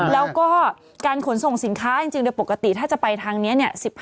แล้วก็การขนส่งสินค้าจริงโดยปกติถ้าจะไปทางนี้